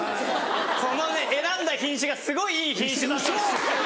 このね選んだ品種がすごいいい品種だったんです。